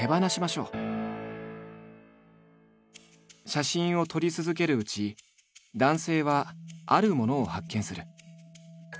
写真を撮り続けるうち男性はあるものを発見する。